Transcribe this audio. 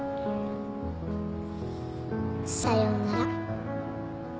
さようなら。